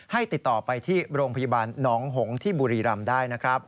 ติดต่อไปที่โรงพยาบาลหนองหงที่บุรีรำได้นะครับ